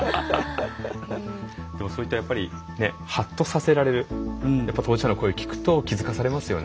でもそういったハッとさせられるやっぱり当事者の声を聞くと気付かされますよね。